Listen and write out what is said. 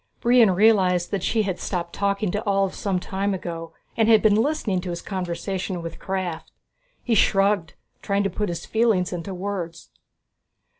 Brion realized that she had stopped talking to Ulv some time ago, and had been listening to his conversation with Krafft. He shrugged, trying to put his feeling into words.